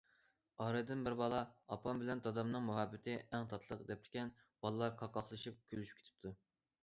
ئارىدىن بىر بالا:‹‹ ئاپام بىلەن دادامنىڭ مۇھەببىتى ئەڭ تاتلىق›› دەپتىكەن، بالىلار قاقاقلىشىپ كۈلۈشۈپ كېتىپتۇ.